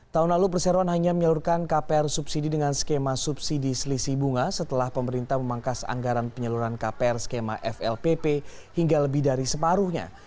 tahun lalu perseroan hanya menyalurkan kpr subsidi dengan skema subsidi selisih bunga setelah pemerintah memangkas anggaran penyaluran kpr skema flpp hingga lebih dari separuhnya